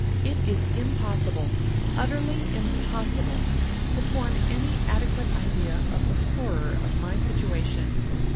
It is impossible—utterly impossible—to form any adequate idea of the horror of my situation.